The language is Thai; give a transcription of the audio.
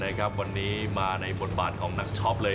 วันนี้มาในบทบาทของนักช็อปเลย